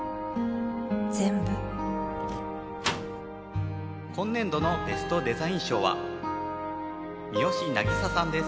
全部今年度のベストデザイン賞は三好凪沙さんです。